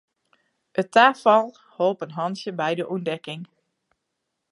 It tafal holp in hantsje by de ûntdekking.